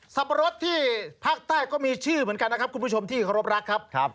ปะรดที่ภาคใต้ก็มีชื่อเหมือนกันนะครับคุณผู้ชมที่เคารพรักครับ